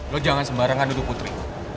lo jangan sembarangan duduk putri